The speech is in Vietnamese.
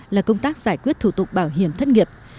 là công tác giải quyết thủ tục bảo hiểm thất nghiệp